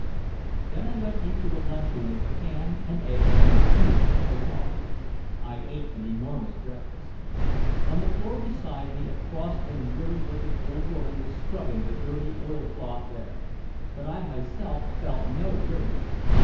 Then I went into a lunchroom for ham and eggs and a huge cup of coffee. I ate an enormous breakfast. On the floor beside me a cross and weary looking old woman was scrubbing the dirty oil cloth there. But I myself felt no weariness.